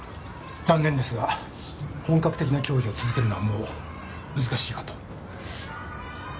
残念ですが本格的な競技を続けるのはもう難しいかと